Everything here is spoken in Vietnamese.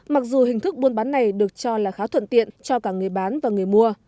mặc dù hình thức buôn bán này được cho là khá thuận tiện cho cả người bán và người mua